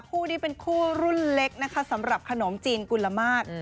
คู่นี้เป็นคู่รุ่นเล็กนะคะสำหรับขนมจีนกุลมาตร